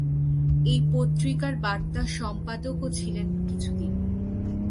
এই পত্রিকার বার্তা সম্পাদকও ছিলেন কিছুদিন।